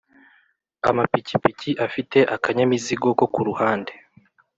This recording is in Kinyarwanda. amapikipiki afite akanyamizigo ko kuruhande